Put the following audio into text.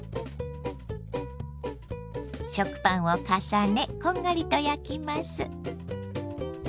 食パンを重ねこんがりと焼きます。